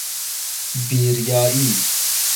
بیریائی